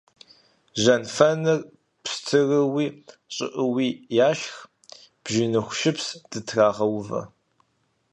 Жьэнфэныр пщтыруи щӀыӀэуи яшх, бжьыныху шыпс дытрагъэувэ.